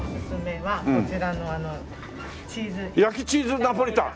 焼きチーズナポリタン。